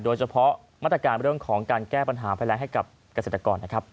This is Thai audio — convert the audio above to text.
โดยเฉพาะมาตรการเรื่องของการแก้ปัญหาภัยแรงให้กับเกษตรกรนะครับ